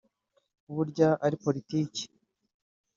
burya ari politiki